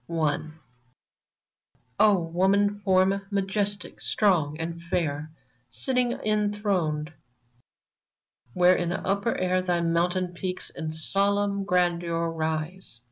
0 WOMAN FORM, majestic, strong and fair, Sitting enthroned where in upper air Thy mountain peaks in solemn grandeur rise.